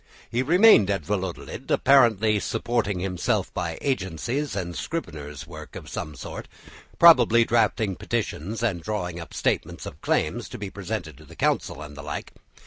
He remained at Valladolid, apparently supporting himself by agencies and scrivener's work of some sort; probably drafting petitions and drawing up statements of claims to be presented to the Council, and the like.